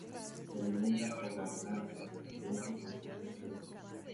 Se alimenta por la arrogancia de Occidente contra el resto del mundo.